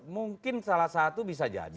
mungkin salah satu bisa jadi